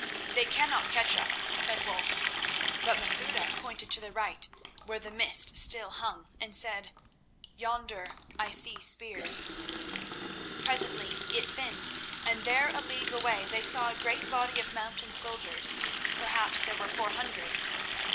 "They cannot catch us," said Wulf; but Masouda pointed to the right, where the mist still hung, and said: "Yonder I see spears." Presently it thinned, and there a league away they saw a great body of mounted soldiers—perhaps there were four hundred.